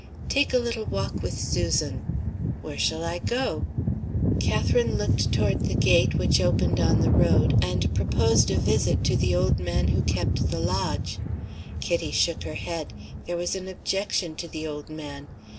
"Take a little walk with Susan." "Where shall I go?" Catherine looked toward the gate which opened on the road, and proposed a visit to the old man who kept the lodge. Kitty shook her head. There was an objection to the old man.